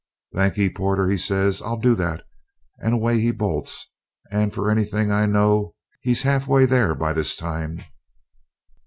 'Thankee, porter,' he says, 'I'll do that,' and away he bolts, and for anything I know, he's 'arf way there by this time."